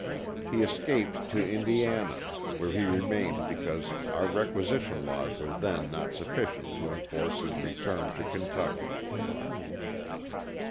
He escaped to Indiana where he remained because our requisition laws were then not sufficient to enforce his return to Kentucky.